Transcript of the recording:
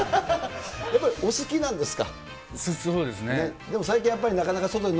やっぱりお好きなんですか。